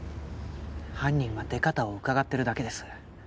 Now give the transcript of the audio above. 犯人は出方をうかがってるだけです